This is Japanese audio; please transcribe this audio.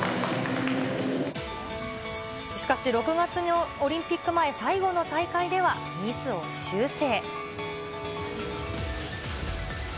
しかし、６月のオリンピック前最後の大会ではミスを修正。